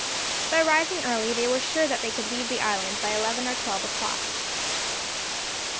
By rising early they were sure that they could leave the island by eleven or twelve o'clock.